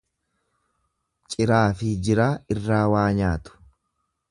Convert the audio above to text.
Ciraafi jiraa, irraa waa nyaatu.